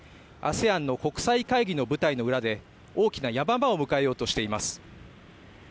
ＡＳＥＡＮの国際会議の舞台の裏で大きなヤマ場を迎えようとしています。